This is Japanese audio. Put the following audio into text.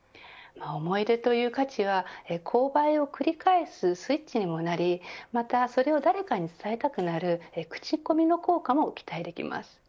思い出という価値は購買を繰り返すスイッチにもなりまたそれを誰かに伝えたくなる口コミの効果も期待できます。